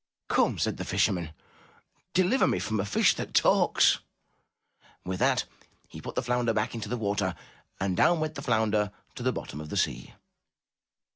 '' Come,'* said the fisherman, ''deliver me from a fish that talks!'' With that he put the flounder back into the water, and down went the flounder to the bottom of the sea.